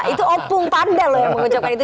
itu opung panda loh yang mengucapkan itu